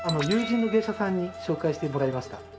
友人の芸者さんに紹介してもらいました。